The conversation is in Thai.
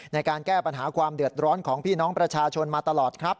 ในการแก้ปัญหาความเดือดร้อนของพี่น้องประชาชนมาตลอดครับ